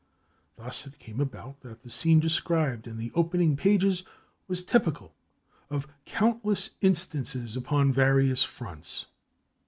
Thus it came about that the scene described in the opening pages was typical of countless instances upon various fronts.